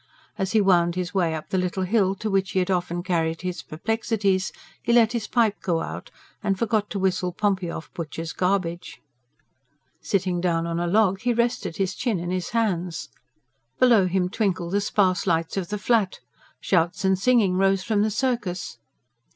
As he wound his way up the little hill to which he had often carried his perplexities, he let his pipe go out, and forgot to whistle Pompey off butcher's garbage. Sitting down on a log he rested his chin in his hands. Below him twinkled the sparse lights of the Flat; shouts and singing rose from the circus.